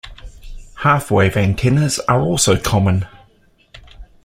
Half-wave antennas are also common.